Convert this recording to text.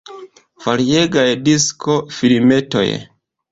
Variegaj disko-filmetoj.